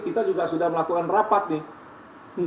kita juga sudah melakukan rapat nih